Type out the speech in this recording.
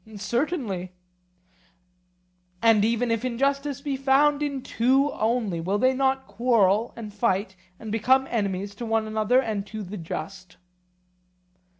Certainly. And even if injustice be found in two only, will they not quarrel and fight, and become enemies to one another and to the just?